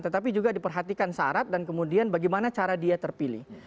tetapi juga diperhatikan syarat dan kemudian bagaimana cara dia terpilih